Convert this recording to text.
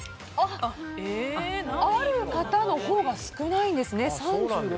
ある方のほうが少ないんですね。